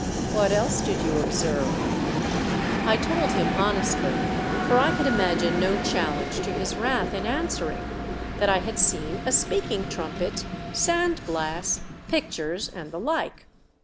What else did you observe ?" I told him honestly, for I could imagine no challenge to his wrath in answering, that I had seen a speaking trumpet, sand glass, pictures, and the like.